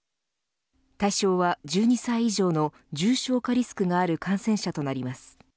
対象は１２歳以上の重症化リスクがある感染者となります。